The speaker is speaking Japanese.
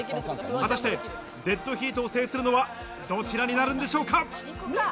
果たしてデッドヒートを制するのは、どちらになるんでしょうか？